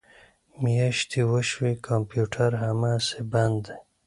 میاشتې وشوې کمپیوټر هماسې بند دی